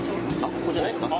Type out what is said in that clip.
ここじゃないですか？